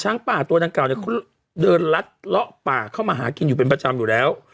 ป่าตัวดังกล่าวเนี่ยเขาเดินลัดเลาะป่าเข้ามาหากินอยู่เป็นประจำอยู่แล้ว